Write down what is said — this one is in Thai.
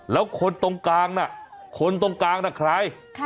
แล้วคนตรงกลางน่ะคนตรงกลางน่ะใคร